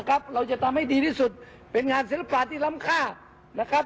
เราจะทำให้ดีที่สุดเป็นงานศิลปะที่รำคา